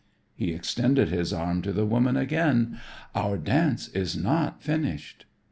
He extended his arm to the woman again. "Our dance is not finished."